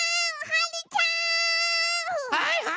はい！